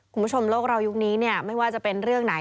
คุณผู้ชมโลกเรายุคนี้เนี่ยไม่ว่าจะเป็นเรื่องไหน